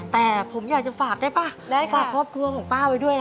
แต่ผมอยากจะฝากได้ป่ะได้ฝากครอบครัวของป้าไว้ด้วยนะ